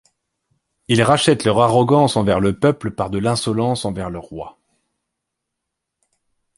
Ils rachètent leur arrogance envers le peuple par de l’insolence envers le roi.